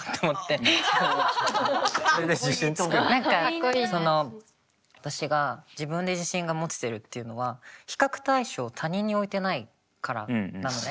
何かその私が自分に自信が持ててるっていうのは比較対象を他人に置いてないからなのね。